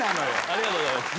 ありがとうございます。